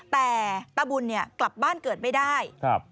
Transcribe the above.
แต่ตะบุญเนี่ยกลับบ้านเกิดไม่ได้